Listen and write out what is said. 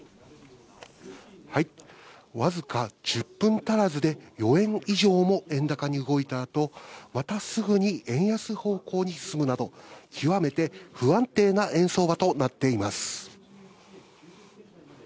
わずか１０分足らずで４円以上も円高に動いたあと、またすぐに円安方向に進むなど、極めて不安定な円相場となっています。